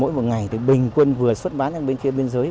mỗi một ngày thì bình quân vừa xuất bán sang bên kia biên giới